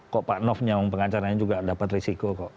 kok pak noffnya pengacaranya juga dapat risiko kok